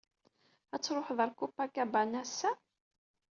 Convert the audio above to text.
Ad truḥeḍ ar Copacabana assa?